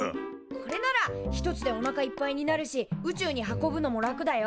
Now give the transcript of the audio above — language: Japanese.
これなら１つでおなかいっぱいになるし宇宙に運ぶのも楽だよ。